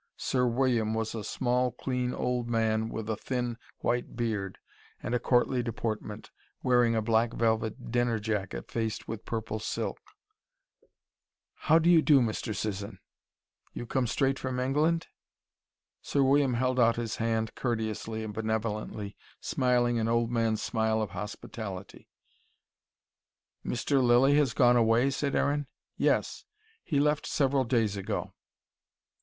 Sir William was a small, clean old man with a thin, white beard and a courtly deportment, wearing a black velvet dinner jacket faced with purple silk. "How do you do, Mr. Sisson. You come straight from England?" Sir William held out his hand courteously and benevolently, smiling an old man's smile of hospitality. "Mr. Lilly has gone away?" said Aaron. "Yes. He left us several days ago."